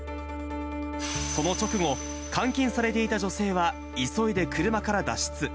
その直後、監禁されていた女性は急いで車から脱出。